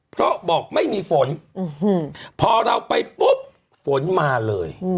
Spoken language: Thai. เพราะบอกไม่มีฝนพอเราไปปุ๊บฝนมาเลย